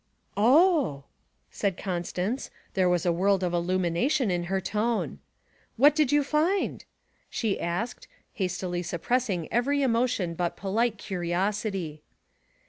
'Oh!' said Constance; there was a world of illumination in her tone. 'What did you find?' she asked, hastily suppressing every emotion but polite curiosity.